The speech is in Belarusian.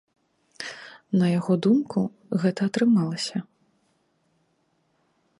На яго думку, гэта атрымалася.